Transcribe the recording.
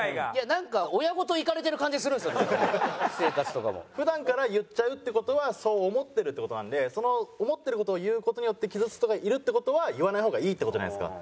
なんか普段から言っちゃうって事はそう思ってるって事なのでその思ってる事を言う事によって傷つく人がいるって事は言わない方がいいって事じゃないですか。